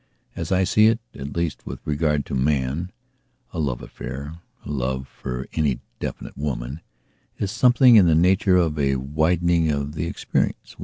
As I see it, at least, with regard to man, a love affair, a love for any definite womanis something in the nature of a widening of the experience.